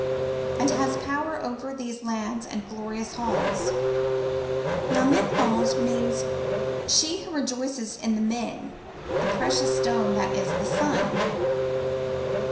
And has power over These lands and glorious halls." Now Menglod means she who rejoices in the Metiy the Precious Stone,^ that is, the sun.